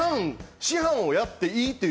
師範をやっていいっていう